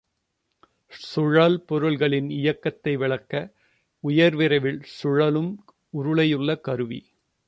சுழல்பொருள்களின் இயக்கத்தை விளக்க உயர்விரைவில் சுழலும் உருளையுள்ள கருவி.